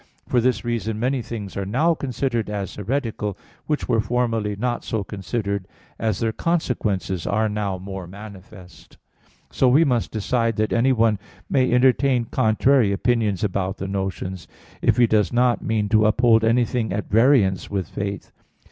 For this reason many things are now considered as heretical which were formerly not so considered, as their consequences are now more manifest. So we must decide that anyone may entertain contrary opinions about the notions, if he does not mean to uphold anything at variance with faith.